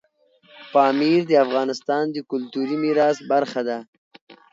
پامیر د افغانستان د کلتوري میراث برخه ده.